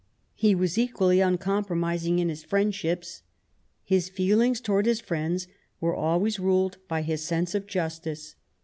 He was equally uncompromising in his friendships. His feelings towards his friends were always ruled by his sense of justice.